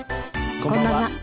こんばんは。